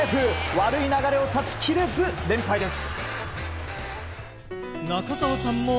悪い流れを断ち切れず連敗です。